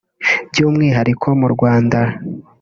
By’umwihariko mu Rwanda